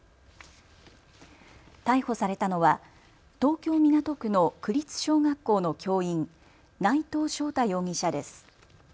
逮捕されたのは東京港区の区立小学校の教員、内藤翔太容疑者です。